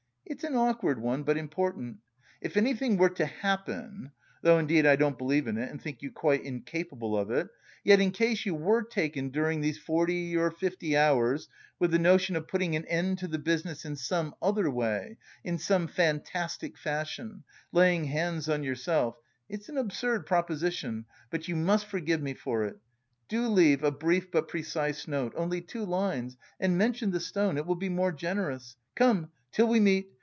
"It's an awkward one, but important. If anything were to happen (though indeed I don't believe in it and think you quite incapable of it), yet in case you were taken during these forty or fifty hours with the notion of putting an end to the business in some other way, in some fantastic fashion laying hands on yourself (it's an absurd proposition, but you must forgive me for it) do leave a brief but precise note, only two lines, and mention the stone. It will be more generous. Come, till we meet!